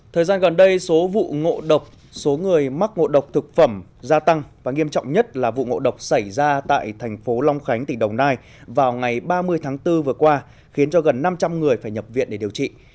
thời gian gần đây số vụ ngộ độc số người mắc ngộ độc thực phẩm gia tăng và nghiêm trọng nhất là vụ ngộ độc xảy ra tại thành phố long khánh tỉnh đồng nai vào ngày ba mươi tháng bốn vừa qua khiến cho gần năm trăm linh người phải nhập viện để điều trị